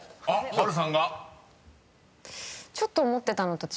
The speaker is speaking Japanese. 波瑠さんが］